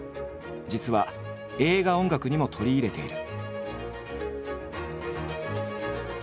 実は映画音楽にも取り入れている。